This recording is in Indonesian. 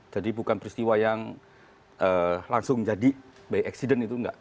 jadi bukan peristiwa yang langsung jadi by accident itu enggak